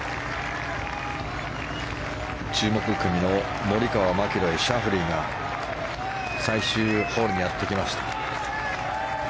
注目組のモリカワ、マキロイシャフリーが最終ホールにやって来ました。